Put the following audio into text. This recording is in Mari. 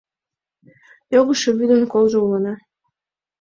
Йогышо вӱдын колжо улына